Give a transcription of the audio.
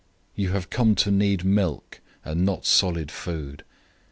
You have come to need milk, and not solid food.